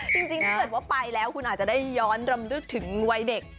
จริงถ้าเกิดว่าไปแล้วคุณอาจจะได้ย้อนรำลึกถึงวัยเด็ก